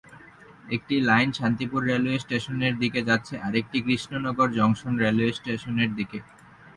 একটি line Shantipur railway station দিকে যাচ্ছে আর একটি কৃষ্ণনগর জংশন রেলওয়ে স্টেশন দিকে।